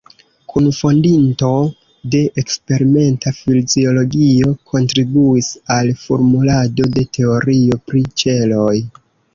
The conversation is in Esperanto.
Kunfondinto de eksperimenta fiziologio, kontribuis al formulado de teorio pri ĉeloj.